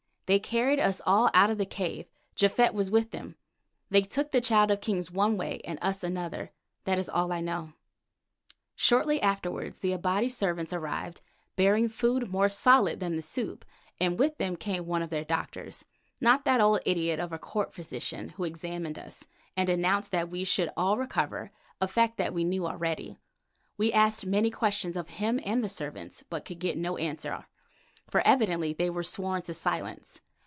They carried us all out of the cave; Japhet was with them. They took the Child of Kings one way and us another, that is all I know." Shortly afterwards the Abati servants arrived, bearing food more solid than the soup, and with them came one of their doctors, not that old idiot of a court physician, who examined us, and announced that we should all recover, a fact which we knew already. We asked many questions of him and the servants, but could get no answer, for evidently they were sworn to silence.